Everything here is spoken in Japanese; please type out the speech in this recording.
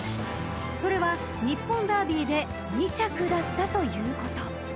［それは日本ダービーで２着だったということ］